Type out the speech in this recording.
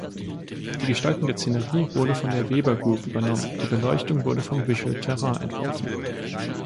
Die Gestaltung der Szenerie wurde von der Weber Group übernommen, die Beleuchtung wurde von Visual Terrain entworfen.